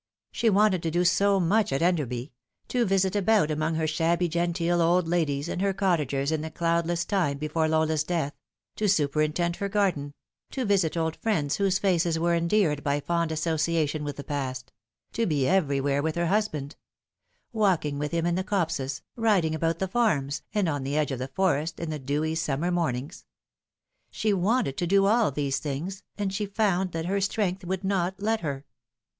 She wanted to do so much at Enderby : to visit about among her shabby genteel old ladies and her cottagers as in the cloudless time before Lola's death ; to superintend her garden ; to visit old friends whose faces were endeared by fond association with the past ; to be everywhere with her husband : walking with him in the copses, riding about the farms, and on the edge of the forest, in the dewy summer mornings. She wanted to do all these things, and she found that her strength would not let her.